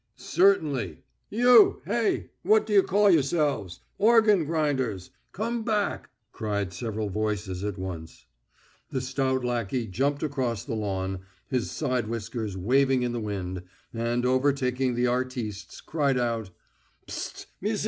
"Certainly! You! Hey, what d'you call yourselves? Organ grinders! Come back!" cried several voices at once. The stout lackey jumped across the lawn, his side whiskers waving in the wind, and, overtaking the artistes, cried out: "Pst!